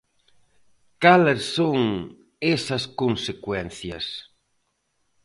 ¿Cales son esas consecuencias?